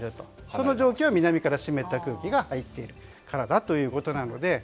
その状況は南から湿った空気が入っているからだということなので。